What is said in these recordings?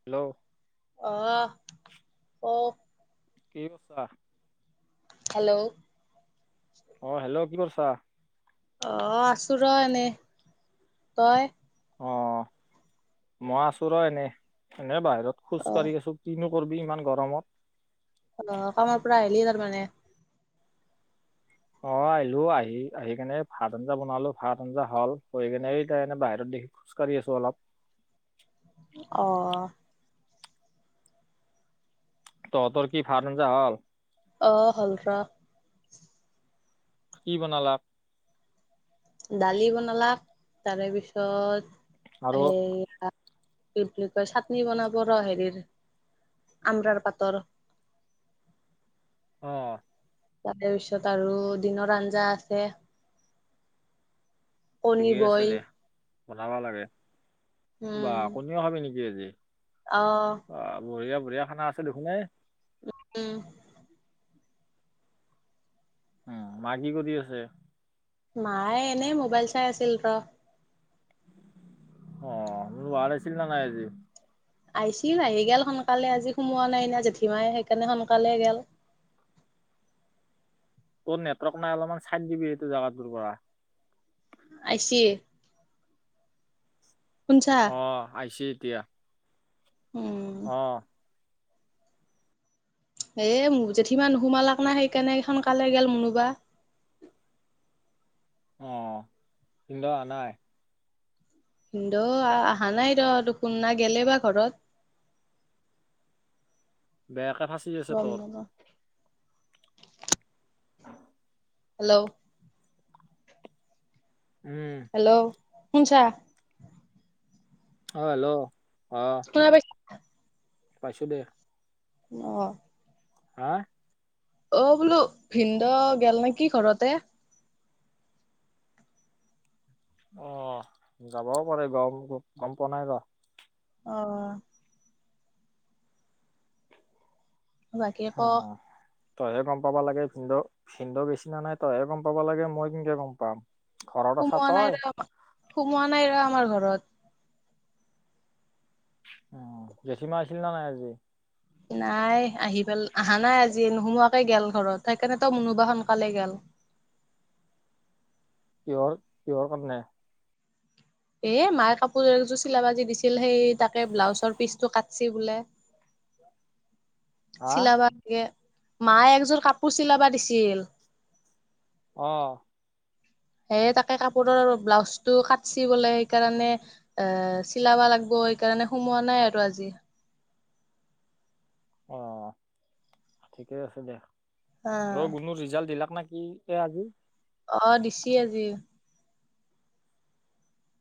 Hello, অ', অ', কি কছা [unintelligible] হেল্ল', অ, হেল্ল', কি কৰছা? অ, আছো ৰ এনেই তই? অ, মই আছো ৰ এনে-এনে বাহিৰত অ খোজ কঢ়ি আছো কিনো কৰবি ইমান গৰমত। অ, কামৰ পৰা আহিলি তাৰমানে। অ আহিলো, আহি-আহি কেনে ভাত আঞ্জা বনালো, ভাত আঞ্জা হ'ল। কৰি কেনে এনে বাহিৰত দেখি। খোজ কাঢ়ি আছো অলপ। অঁ তহঁতোৰ কি ভাত- আঞ্জা হল? অ হ'লৰো কি বনালা? দালি বনালাক, তাৰে আৰু? পিছত হে কি বুলি কয়, চাটনি বনাব ৰ হেৰিৰ আমৰাৰ পাতৰ। অহ ', তাৰে পিছত আৰু দিনৰ আঞ্জা আছে। কণী বইল। বনাবা লাগে বা উম কণীও খাবি নেকি আজি? অ অ, বঢ়িয়া-বঢ়িয়া খানা আছে দেখোন এ। উম উম মা কি আছে? মায়ে এনে মোবাইল চাই আছিল ৰ অ ম [unintelligible] ভাল আছিল ন নাই আজি আইছিল, আহি গল সোনকালে আজি, সোমোৱা নাইনা জেঠী মাই সেইকাৰণে সোনকালে গেল। [unintelligible] তোৰ নেটৱৰ্ক নাই। অলপমান চাই দিবি এইটো জোগাটোৰ পৰা। আছে। অ আহিছে এতিয়া। উম অ। এ জেঠি নুসুমালাক না, সেইকাৰণে এইখন কালে গেল মুনুবা। [unintelligible] আহ। ভিনদেউ আহা নাই? ভিনদেউ অহা নাই ৰ, দু কোনা গেলে বা ঘৰত। বেয়া কথা গম নেপাওঁ। হেল্ল' উম হেল্ল'। সুনছা? আহ। হেল্ল'। শুনা পাইছ পাইছোঁ দে। অ হা? অ বোলো ভিনদেউ গেল নেকি ঘৰতে, অ যাবও পাৰে বাৰু, গম পোৱা নাই ৰ। অ বাকী ক অ তইহে গম পাব লাগে ভিনদেউক, ভিনদেউ গৈছি নে নাই তইহে গম পাব লাগে। মই কেনেকে গম পাম? ঘৰত আছা সোমোৱা তই নাই ৰ, সোমোৱা নাই ৰ আমাৰ ঘৰত। অ। জেঠী মা আহিছিল নে নাই আজি? নাই আহি পাল, অহা নাই আজি। নোসোমোৱাকে গেল ঘৰত। সেইকাৰণে তো মুনুবা সোনকালে গেল। কিহৰ কিহৰ কাৰণে এ মায়ে কাপোৰ এযোৰ চিলাবা জি দিছিল। সেই তাকে ব্লাউজৰ পিচটো কাটছে বোলে। [unintelligible] হা চিলাবা লাগে। মায়ে একযোৰ কাপোৰ চিলাবা দিছিল। অ সেই তাকে কাপোৰৰ ব্লাউজ টো কাটছি বোলে। সেইকাৰণে এ চিলাবা লাগিব। সেই কাৰণে সোমোৱা নাই আৰু আজি। অ ঠিকে আছে দে হা অ গুনুৰ ৰিজাল্ট দিলাক না কি দিলে আজি অ দিছি আজি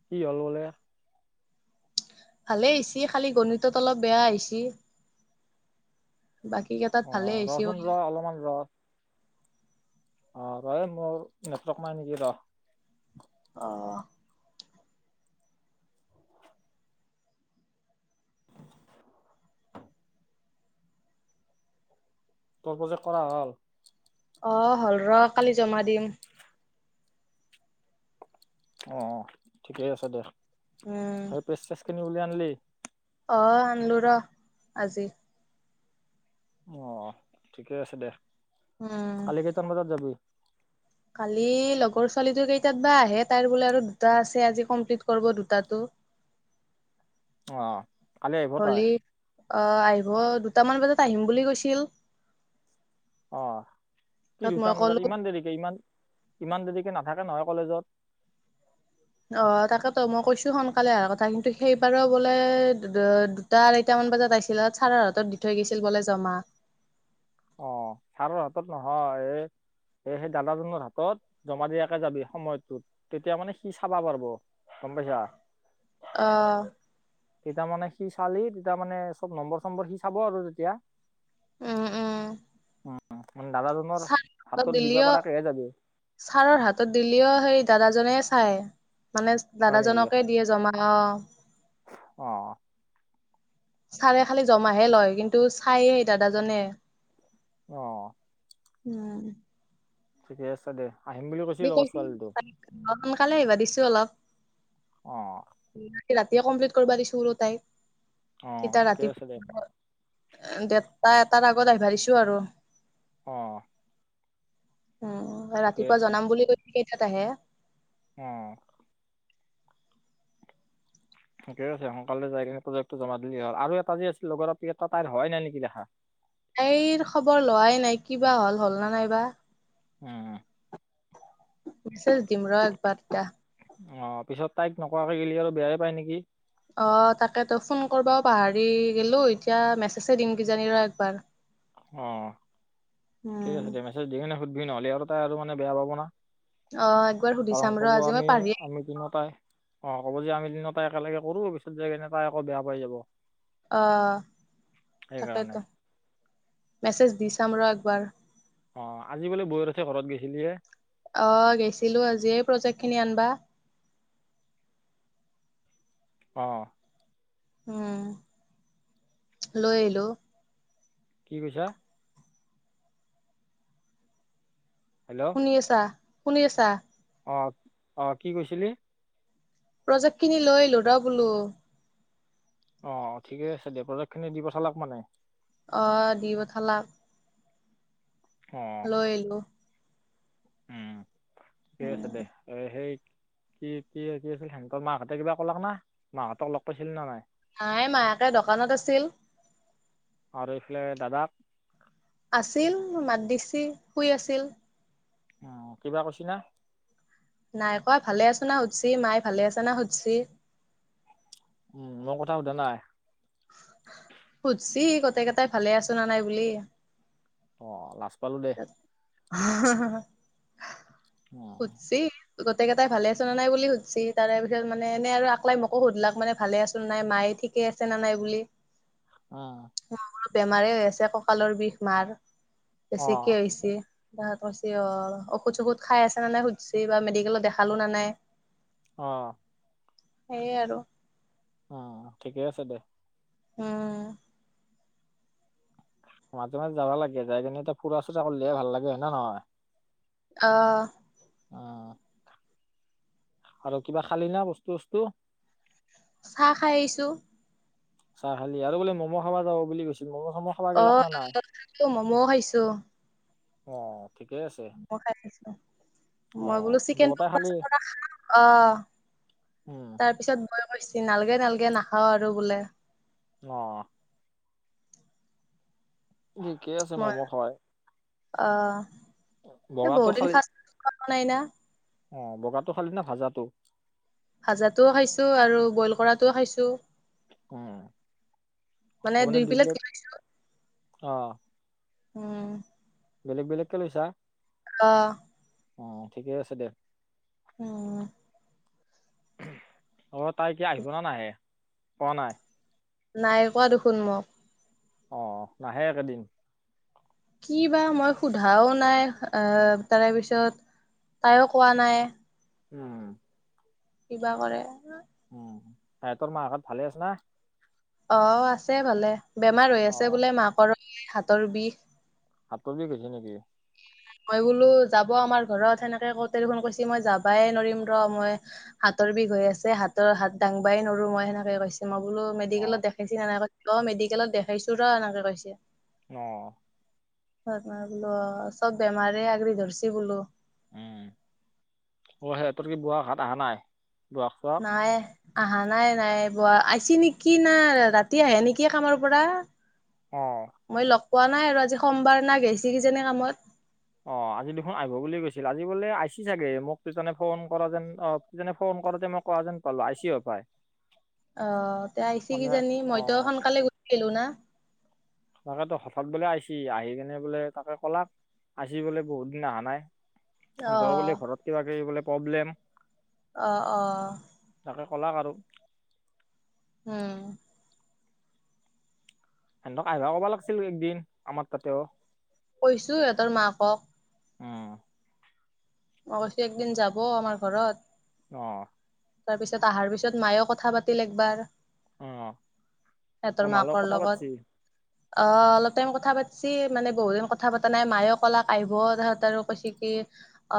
কি হ'ল বোলে ভালে আহিছি খালি গণিতত অলপ বেয়া আহিছি। বাকী কেইটাত অ ভালেই আহিছি ৰচোন ৰ হৈছে বোলে। অলপমান ৰ অ ৰ মোৰ নেটৱৰ্ক নাই নেকি ৰ। অ তোৰ প্ৰজেক্ট কৰা হ'ল? অ হ'ল ৰ, কালি জমা দিম। অ, ঠিকেই আছে দে। উম। সেই [unintelligible] উলিয়াই আনিলি। অ আনলো ৰ, আজি। অ ঠিকে আছে দে উম কালি কেইটামান বজাত যাবি? কালি লগৰ ছোৱালীটো কেইটাত বা আহে তাইৰ বোলে আৰু দুটা আছে আজি কমপ্লিট কৰিব আজি দুটাটো। [inaudible] অ কালি আহিব তাই। হলি অ আহিব দুটামান বজাত আহিম বুলি কৈছিল। অ কি তাত মই দুটামান বজাত ক'লো ইমান দেৰিকে ইমান ইমান দেৰিকে নাথাকে নহয় কলেজত। অ তাকেতো মই কৈছো সোনকালে অহাৰ কথা কিন্তু সেইবাৰো বোলে দুটা আঢ়ৈটা মান মান বজাত আছিল ছাৰৰ হাতত দি থৈ গৈছিল বোলে জমা। অ ছাৰৰ হাতত নহয় এ এ সেই দাদাজনৰ হাতত জমা দিয়াকে যাবি সময়টোত তেতিয়া মানে সি চাবা পাৰিব। গম পাইছা অ তেতিয়া মানে সি চালি তেতিয়া মানে চব নম্বৰ চম্বৰ সি চাব আৰু তেতিয়া। উম উম। মানে দাদাজনৰ ছাৰ হাতত দিলি দিবা অঁ, পাৰাকেহে যাবি ছাৰৰ হাতত দিলি অঁ সেই দাদাজনে, চাই, মানে হয় নেকি দাদাজনকে দিয়ে জমা। অ', চাৰে খালি জমাহে লয় কিন্তু চায়ে এই দাদাজনে। অঁ। উম। ঠিকে আছে দে। আহিম বুলি কৈছিল আকৌ ছোৱালীটো সোনকালে আহিবা দিছো অলপ। অঁ, ৰাতিয়ে কমপ্লিট কৰিব দিছো আৰু তাইক অ', তেতিয়া ঠিকে ৰাতি আছে দে তাই এটাৰ আগত আহিবঢ়িছো আৰু অ। উ ঠিকে ৰাতিপুৱা জনাম বুলি কৈ, কেই তাত আহে। আহ। ঠিকেছে সোনকালে যাই কিনে প্ৰজেক্ট টো জমা দিলে হল আৰু এটা যে আছিল লগৰ এ তাইৰ হয় নাই নেকি দেখা। তাইৰ খবৰ লোৱাই নাই কিবা হল হল না নাইবা। উম উম। মেছেজ দিম ৰ এক বাৰটা। অ পিছত তাইক নকোৱাকে হি আৰু বেয়াই পায় নেকি? অ তাকে তো ফোন কৰিব পাহৰি গলো, এতিয়া মেছেজে দিম কিজানি ৰ একবাৰ। অ ঠিকে উম আছে মেছেজ দি কিনে সুধবি নহ'লে আৰু তাই আৰু মানে বেয়া পাব না। অ একবাৰ সুধি পাৰং চাম ৰ কব আজি মই আমি, পাহৰি আমি দিনটাই। অ', ক'ব যে আমি তিনিওটাই একেলগে কৰোঁ পিছত যায় কিনে তাই আকৌ বেয়া পাই যাব। অ', সেইকাৰণে তাকেতো। মেছেজ দি চাম ৰহ একবাৰ। অ', আজি বোলে বৈয়েৰহতে ঘৰত গেছিল যে। অহ, গেছিলোঁ আজি প্ৰজেক্টখিনি আনবা। অ'। উম, লৈ আহিলোঁ। কি কৈছা হেল্ল' শুনি আছা শুনি আছা অ অ কি কৈছিলি প্ৰজেক্ট খিনি লৈ [unintelligible] বোলো অ ঠিকে আছে দিয়ক প্ৰজাক্ট খিনি দিব পথালক মানে অ দি পঠালাক অ লৈ আহিলো উম, ঠিকে আছে দে এ, হেৰি কি-কি-কি আছিল সেহঁতৰ মাকহঁতে কিবা ক'লক না, মাহঁতক লগ পাইছিলি নে নাই? নাই মায়াকে দোকানত আছিল আৰু এইফালে দাদাৰ আছিল, মাত দিছিল, শুই আছিল। অ', কিবা কৈছি না? নাই কোৱা ভালে আছ না সুধছি, মায় ভালে আছ না সুধছি। উম, মোৰ কথা সোধা নাই? সুধছি, গোটেকেইটাই ভালে আছোঁ নে নাই বুলি। অ', লাজ পালোঁ দেহ। [unintelligible] অ সুধছি। গোটেইটাই ভালে আছোঁ নাই বুলি সুধছি, তাৰে ভিতৰত মানে এনে আৰু আকলাই মোকো সুধিলাক মানে ভালে আছোঁ নে নাই মাই ঠিকেই আছে নে নাই বুলি। উম। বেমাৰেয়ে হৈ আছে কঁকালৰ বিষ মাৰ, অ কৈছে কিয় হৈছি? [unintelligible] কৈছি অ', অ', ঔষধ চঔষধ খাই আছেনে নাই সুধছি বা মেডিকেলত দেখালোঁ নে নাই। অ'। সেই আৰু। অ', ঠিকে আছে দে। হুম'। মাজে, মাজে যাবা লাগে যায় কিনে এতিয়া ফুৰা চোৰা কৰিলেহে ভাল লাগে হয়নে নহয়? অ'। অ'। আৰু কিবা খালি না বস্তু চস্তু? চাহ খাই আহিছোঁ। চাহ খালি আৰু বোলে ম'ম' খাবা যাবা বুলি কৈছি অ', [unintelligible] খাইছোঁ, মম'ও খাইছোঁ। অ'। ঠিকেই আছে মই [unintelligible] মই অ', বোলো চিকেন দুয়োটাই পকৰা খালি চকৰা খাম অ'। উম, তাৰপিছত বৌয়ে কৈছি নালগে, নালগে নাখাওঁ আৰু বোলে। অ'। ঠিকেই আছে মই ম'ম' [unintelligible] অ'। এই বগাটো বহুত দিন খালি ফাষ্ট [inaudible] অ', বগাটো খালি নে ভাজাতো। ভাজাতটোও খাইছোঁ, আৰু বইল কৰাতটোও খাইছোঁ। উম, মানে দুই পিলেট অ'। উম। বেলেগ বেলেগ লৈছা আহ'। অ', ঠিকেই আছে দে। উম। অ', তাই এতিয়া আহিব নে নাহে কোৱা নাই? নাই কোৱা দেখোন মোক। অ', নাহে একেদিন! কি বা মই সোধাও নাই অহ, তাৰেপিছত তাইও কোৱা নাই। উম। কিবা কৰে? উম, সে তোৰ মাহঁত ভালে আছে না? অ', আছে ভালে বেমাৰ হৈ আছে অ', বোলে মাকৰো [unintelligible] হাতৰ বিষ। হাত প দি গৈছে নেকি? মই বোলো যাব আমাৰ ঘৰত সেনেকে কতে ফোন কৈছে মই যাবাই নৰিম ৰ মই হাতৰ বিষ হৈ আছে হাতৰ হাত দাংবাই নৰো মই সেনেকে কৈছে মোক। বোলো মেডিকেলত অ', দেখাইছিনা এনে অ', মেডিকেলত দেখাইছো ৰ এনেকে কৈছে। আহ'। বোলো অ', চব বেমাৰে আগৰি ধৰিছি বোলো। উম, অ', সিহঁতৰ কি বোআক হাট অহা নাই? বুঢ়াক চুঢ়াক নাই। আহা নাই নাই বোৱা আইছি নেকি না ৰাতি আহে নেকি কামৰ পৰা আহ। মই লগ পোৱা নাই আৰু আজি সোমবাৰ না গেইছি কিজানে কামত। অ', আজি দেখোন আহিব বুলি কৈছিল আজি বোলে আইছি চাগে মোক তজনে ফোন কৰা যেন অ', তজনে ফোন কৰোতে মই কোৱা যেন পালো আইছি হপাই অ', আইছি কি জানি মইতো অঁ সোনকালে গুচি আহিলো না। তাকেতো হঠাৎ বোলে আহিছি আহি কেনে বোলে তাকে ক'লাক আইছি বোলে বহুত দিন অহা নাই সেন্ধৰ অ' ঘৰত কিবা কিবি বোলে প্ৰব্লেম। অ', অ'। তাকে কলাক আৰু। হম সেন্ধক আহইভা ক'বা লাগিছিল একদিন আমাৰ তাতেও। কৈছো সিহঁতৰ মাকক। উম। মই কৈছোঁ একদিন যাব আমাৰ ঘৰত। অ'। তাৰপিছত আহাৰ পিছত মায়েও কথা পাতিল একবাৰ। অ'। সিহঁতৰ মাকৰ লগত। অ', অলপ টাইম কথা পাতছি মানে বহুতদিন কথা পতা নাই মায়ে ক'লাক আহিব তাহঁত আৰু কৈছে কি অ',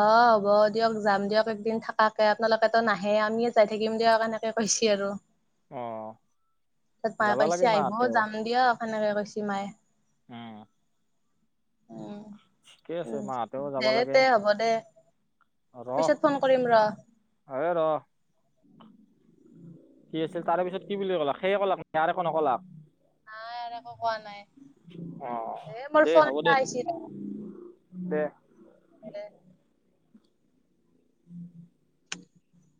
হ'ব দিয়ক যাম দিয়ক একদিন থাকাকে আপোনালোকেতো নাহে আমিয়ে যাই থাকিম দিয়ক এনেকে হৈছি আৰু। আহ'। তাত মায়ে কৈছে আহিব যাম দিয়া সনেকে কৈছি মায়ে। অ'। উম, উ মাহঁতেও যাবা দে লাগে তে হ'ব দে। ৰ পিছত ফোন কৰিম ৰ। এ ৰ কি আছিল তাৰে পিছত কি বুলি ক'লা সেইয়ে কলাক নয় একো ন কলাক নাই আৰু একো কোৱা নাই আহ এ মোৰ দে ফোন হ'ব এটা দে। আহিছে দে। হ'ব দে। উম উ [unintelligible]